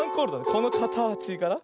このかたちから。